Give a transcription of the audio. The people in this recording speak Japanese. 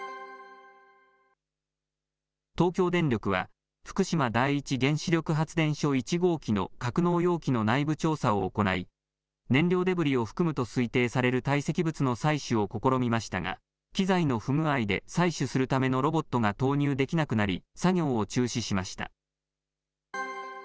東京電力は、福島第一原子力発電所１号機の格納容器の内部調査を行い、燃料デブリを含むと推定される堆積物の採取を試みましたが、機材の不具合で採取するためのロボットが投入できなくなり、作業を中止しました。